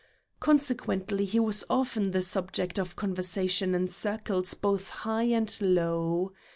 Consequently, he was often the subject of conversation in circles both high and low.